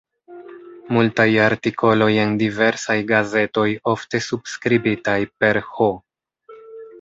Multaj artikoloj en diversaj gazetoj, ofte subskribitaj per "H.